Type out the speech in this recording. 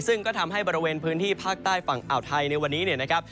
ซึ่งก็ทำให้บริเวณพื้นที่ภาคใต้ฝั่งอ่าวไทยในวันนี้เนี่ยนะครับ